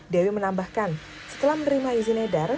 dewi menambahkan setelah menerima izin edar